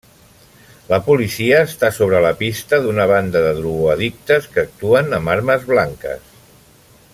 La policia està sobre la pista d'una banda de drogoaddictes que actuen amb armes blanques.